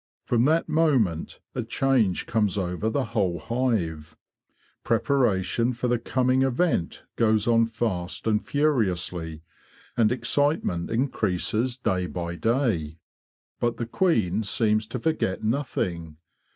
From that moment a change comes over the whole hive. Preparation for the coming event goes on fast and furiously, and excite ment increases day by day. But the queen seems to forget nothing.